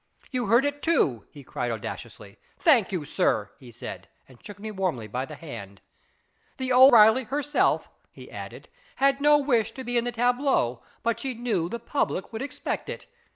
" You heard it too," he cried audaciously. " Thank you, sir," he said, and shook me warmly by the hand. The O'Reilly herself," he added, had no IS IT A MANf 245 wish to be in the tableau, but she knew the public would expect it.